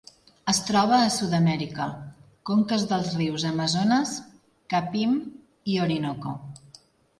Es troba a Sud-amèrica: conques dels rius Amazones, Capim i Orinoco.